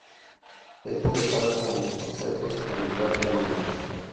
Este le paga con consejos en lugar de monedas.